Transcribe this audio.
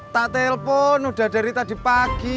tak telpon udah dari tadi pagi